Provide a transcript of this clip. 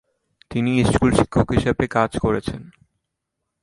তিনি স্কুল শিক্ষক হিসাবে কাজ করেছেন।